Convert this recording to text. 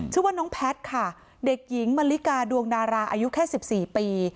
ชื่อว่าน้องแพทย์ค่ะเด็กหญิงมะลิกาดวงดาราอายุแค่๑๔ปี